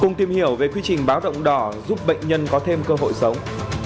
cùng tìm hiểu về quy trình báo động đỏ giúp bệnh nhân có thêm cơ hội sống